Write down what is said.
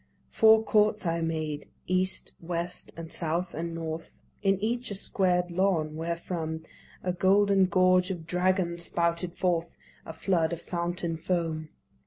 Four courts I made, East, West and South and North, In each a squared lawn, wherefrom The golden gorge of dragons spouted forth A flood of fountain foam.